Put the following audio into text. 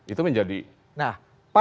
itu menjadi satu